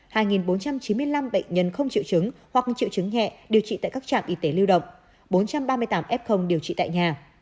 hai bốn trăm chín mươi năm bệnh nhân không triệu chứng hoặc triệu chứng nhẹ điều trị tại các trạm y tế lưu động bốn trăm ba mươi tám f điều trị tại nhà